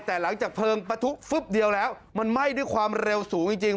แต่หลังจากเพลิงปะทุฟึ๊บเดียวแล้วมันไหม้ด้วยความเร็วสูงจริง